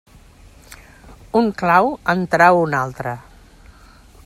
Un clau en trau un altre.